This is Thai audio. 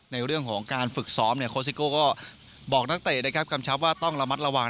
ในเรื่องของการฝึกซ้อมโคซิกโกะก็บอกนักเตะกำชับว่าต้องระมัดระวัง